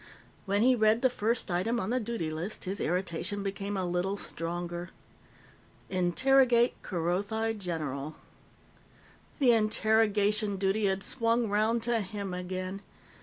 When he read the first item on the duty list, his irritation became a little stronger. "_Interrogate Kerothi general.__" The interrogation duty had swung round to him again.